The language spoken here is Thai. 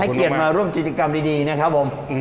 ที่ให้เกียรติมาร่วมจิตกรรมดีนะครับผม